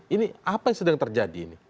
ini apa yang sedang terjadi ini